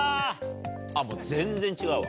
あっ全然違うわ。